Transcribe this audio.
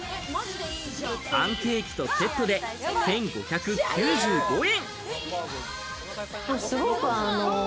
パンケーキとセットで１５９５円。